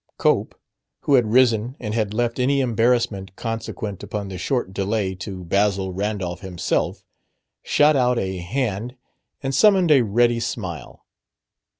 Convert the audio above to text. Cope, who had risen and had left any embarrassment consequent upon the short delay to Basil Randolph himself, shot out a hand and summoned a ready smile.